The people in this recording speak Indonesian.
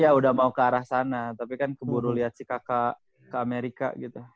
ya udah mau ke arah sana tapi kan keburu lihat si kakak ke amerika gitu